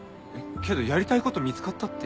けどやりたいこと見つかったって。